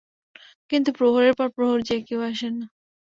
কিন্তু প্রহরের পর প্রহর যায়, কেউ আসে না।